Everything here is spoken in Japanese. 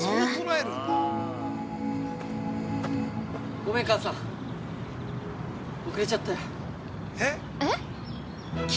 ◆ごめん、母さん遅れちゃったよ。